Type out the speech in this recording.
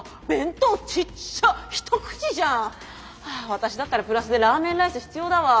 私だったらプラスでラーメンライス必要だわ。